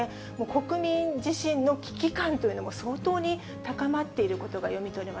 国民自身の危機感というのも、相当に高まっていることが読み取